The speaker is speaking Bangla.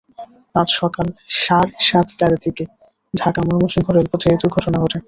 আজ সকাল সাড়ে সাতটার দিকে ঢাকা ময়মনসিংহ রেলপথে এ দুর্ঘটনা ঘটে।